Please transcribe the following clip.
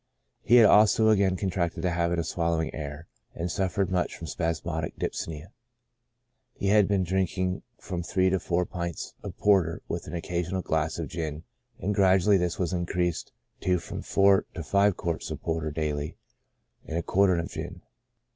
He had also again contracted the habit of swal lowing air, and suffered much from spasmodic dyspnoea. He had been drinking from three to four pints of porter, with an occasional glass of gin, and gradually this was increased to from four to five quarts of porter daily, and a quartern of gin.